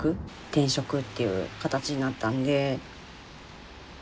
転職っていう形になったんで。